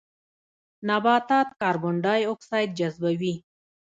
نباتات کاربن ډای اکسایډ جذبوي